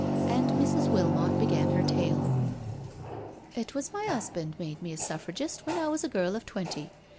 And Mrs. Wilmot began her tale: "It was my husband made me a Suffragist when t was a girl of twenty.